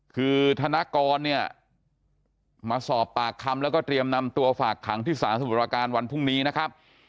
คือธนกรเนี่ยมาสอบปากคำแล้วก็เตรียมนำตัวฝากขังที่ศาลสมุทรประการวันพรุ่งนี้นะครับ